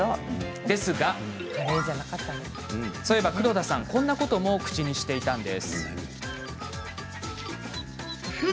ですがそういえば黒田さんこんなことも口にしていました。